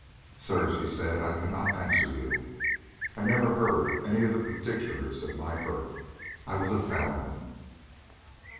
"Sir," she said, "I cannot answer you. I never heard any of the particulars of my birth. I was a foundling."